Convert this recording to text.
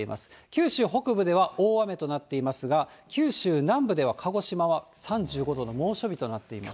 九州北部では大雨となっていますが、九州南部では鹿児島は３５度の猛暑日となっています。